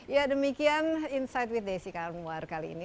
ya demikian insight with desi anwar kali ini